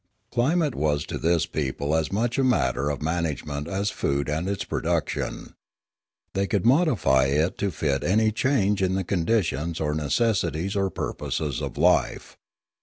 190 Limanora Climate was to this people as much a matter of man agement as food and its production. They could modify it to fit any change in the conditions or neces sities or purposes of life.